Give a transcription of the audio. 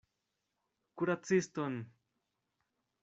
Kuraciston!